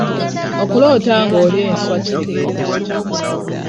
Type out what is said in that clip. Okuloota nga olya enswa kitegeeza ki?